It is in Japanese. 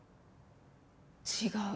違う。